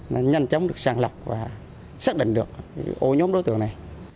nó nhanh chóng được sàng lọc và xác định được ô nhóm đối tượng này